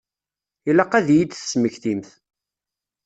Ilaq ad iyi-d-tesmektimt.